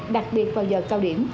đặc biệt vào giờ cao điểm